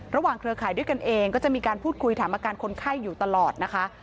เครือข่ายด้วยกันเองก็จะมีการพูดคุยถามอาการคนไข้อยู่ตลอดนะคะ